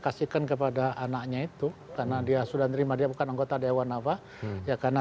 kasihkan kepada anaknya itu karena dia sudah terima dia bukan anggota dewan apa ya karena